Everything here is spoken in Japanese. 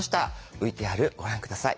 ＶＴＲご覧下さい。